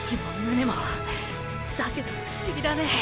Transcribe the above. だけど不思議だね